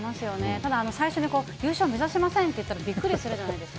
ただ、最初に優勝目指しませんって言ったらびっくりするじゃないですか。